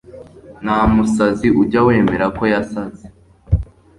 ntamusazi ujya wemera ko yasaze